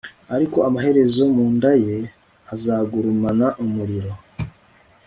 ariko amaherezo mu nda ye hazagurumana umuriro